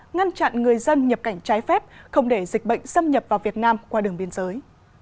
ngăn chặn người dân nhập cảnh trái phép không để dịch bệnh xâm nhập vào việt nam qua đường biên giới